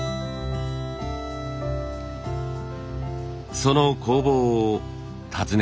その工房を訪ねました。